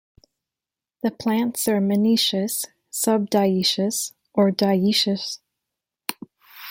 The plants are monoecious, subdioecious, or dioecious.